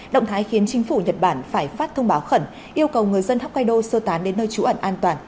động thái khiến chính phủ nhật bản phải phát thông báo khẩn yêu cầu người dân houaido sơ tán đến nơi trú ẩn an toàn